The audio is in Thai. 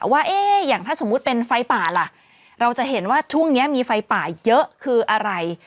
ว่าอย่างถ้าสมมุติเป็นไฟป่าล่ะเราจะเห็นว่าช่วงนี้มีไฟป่าเยอะคืออะไร